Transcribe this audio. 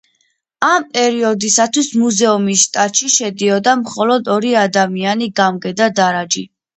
ამ პერიოდისათვის მუზეუმის შტატში შედიოდა მხოლოდ ორი ადამიანი გამგე და დარაჯი.